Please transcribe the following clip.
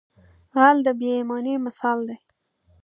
غل د بې ایمانۍ مثال دی